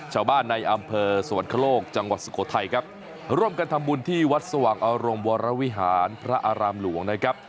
ชาวบ้านในอำเภอสวรรคโลกจังหวัดสุโขทัยครับร่วมกันทำบุญที่วัดสว่างอารมณ์วรวิหารพระอารามหลวงนะครับ